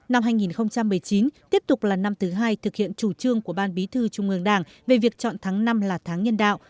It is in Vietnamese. năm hai nghìn một mươi chín tiếp tục là năm thứ hai thực hiện chủ trương của ban bí thư trung ương đảng về việc chọn tháng năm là tháng nhân đạo